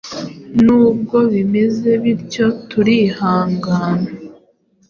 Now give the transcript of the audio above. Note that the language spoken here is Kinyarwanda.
Nubwo bimeze bityo turihangana